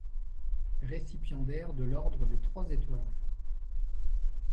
Récipiendaire de l'Ordre des Trois Étoiles.